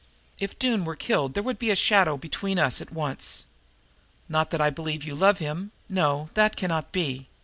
If Doone were killed there would be a shadow between us at once. Not that I believe you love him no, that cannot be.